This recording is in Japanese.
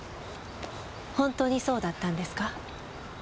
本当にそうだったんですか？